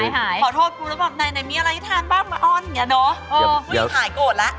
มาอ้อนอย่างนี้เนอะ